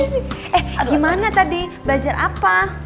eh gimana tadi belajar apa